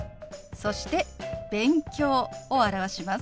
そして「勉強」を表します。